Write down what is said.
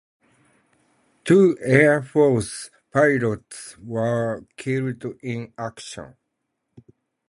Two Air Force pilots were killed in action.